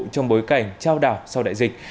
trong bối cảnh trao đảo sau đại dịch